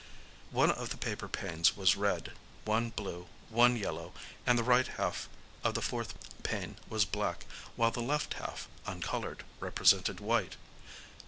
One of the paper panes was red, one blue, one yellow; and the right half of the fourth pane was black, while the left half, uncolored, represented white.